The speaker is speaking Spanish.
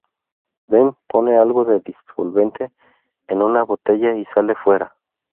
Ben pone algo de disolvente en una botella y sale fuera.